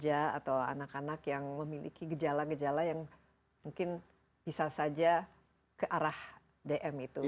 atau anak anak yang memiliki gejala gejala yang mungkin bisa saja ke arah dm itu